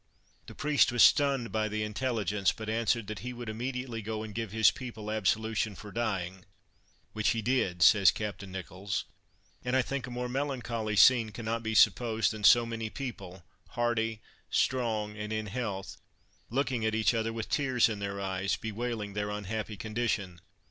The priest was stunned by the intelligence, but answered, that he would immediately go and give his people absolution for dying; "which he did," says Captain Nicholls; "and I think a more melancholy scene cannot be supposed than so many people, hearty, strong and in health, looking at each other with tears in their eyes, bewailing their unhappy condition.